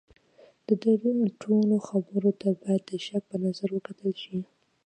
د ده ټولو خبرو ته باید د شک په نظر وکتل شي.